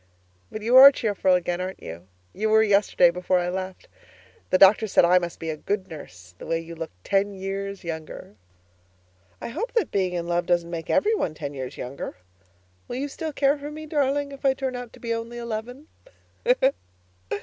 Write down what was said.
But you are cheerful again, aren't you? You were yesterday before I left. The doctor said I must be a good nurse, that you looked ten years younger. I hope that being in love doesn't make every one ten years younger. Will you still care for me, darling, if I turn out to be only eleven?